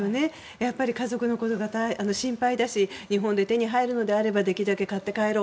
やっぱり家族のことが心配だし日本で手に入るのであればできるだけ買って帰ろう。